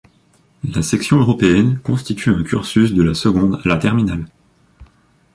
La section européenne constitue un cursus de la seconde à la terminale.